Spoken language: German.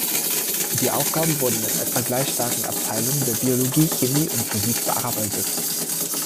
Die Aufgaben wurden in etwa gleich starken Abteilungen der Biologie, Chemie und Physik bearbeitet.